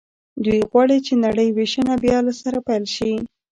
دوی غواړي چې نړۍ وېشنه بیا له سره پیل شي